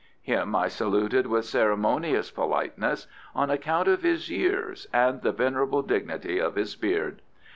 Him I saluted with ceremonious politeness, on account of his years and the venerable dignity of his beard.